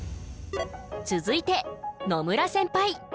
続いて野村センパイ。